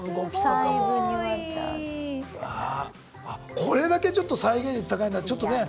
これだけちょっと再現率高いならちょっとね